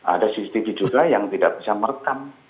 ada cctv juga yang tidak bisa merekam